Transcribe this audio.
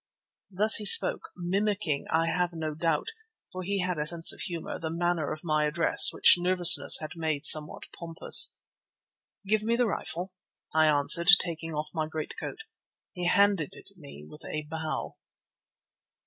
Thus he spoke, mimicking, I have no doubt (for he had a sense of humour), the manner of my address, which nervousness had made somewhat pompous. "Give me the rifle," I answered, taking off my greatcoat. He handed it me with a bow.